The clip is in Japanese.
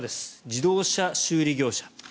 自動車修理業者。